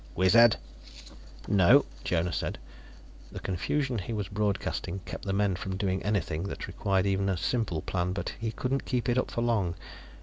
"Wizard " "No," Jonas said. The confusion he was broadcasting kept the men from doing anything that required even a simple plan, but he couldn't keep it up for long.